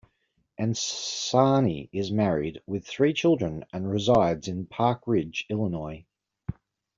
Ansani is married with three children and resides in Park Ridge, Illinois.